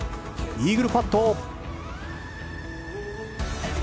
イーグルパット。